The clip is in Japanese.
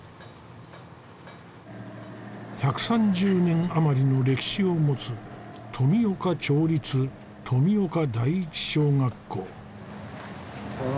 １３０年余りの歴史を持つ富岡町立富岡第一小学校。